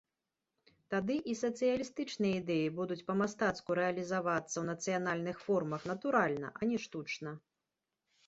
Тады і сацыялістычныя ідэі будуць па-мастацку рэалізавацца ў нацыянальных формах натуральна, а не штучна.